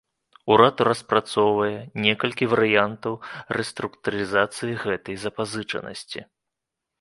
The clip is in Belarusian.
Урад распрацоўвае некалькі варыянтаў рэструктурызацыі гэтай запазычанасці.